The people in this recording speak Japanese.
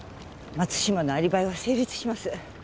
松島のアリバイは成立します。